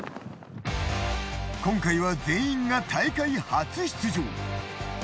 今回は全員が大会初出場。